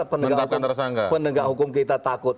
penegakan hukum kita takut